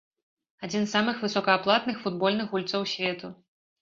Адзін з самых высокааплатных футбольных гульцоў свету.